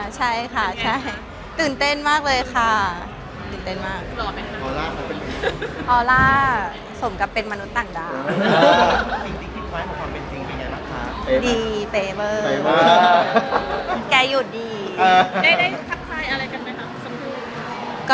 เจอเองมนุษย์ต่างดาวที่เราเคยที่เรก